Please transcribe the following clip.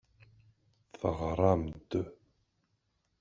Teɣra-am-d.